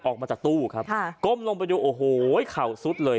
ออกมาจากตู้ครับค่ะก้มลงไปดูโอ้โหเข่าซุดเลย